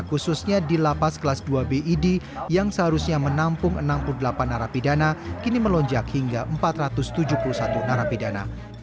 khususnya di lapas kelas dua bid yang seharusnya menampung enam puluh delapan narapidana kini melonjak hingga empat ratus tujuh puluh satu narapidana